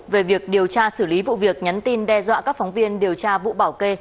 về việc điều tra xử lý vụ việc nhắn tin đe dọa các phóng viên điều tra vụ bảo kê